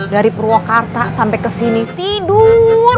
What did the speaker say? dari purwokarta sampe kesini tidur